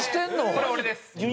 これ俺です。